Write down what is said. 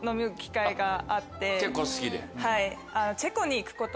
はい。